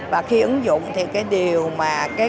và khi ứng dụng thì cái lợi ích này